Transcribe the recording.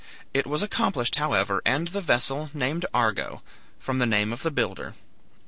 It was accomplished, however, and the vessel named "Argo," from the name of the builder.